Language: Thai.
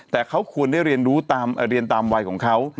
แต่เค้าควรได้เรียนตามลีออนครับ